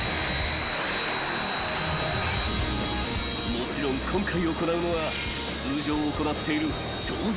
［もちろん今回行うのは通常行っている超絶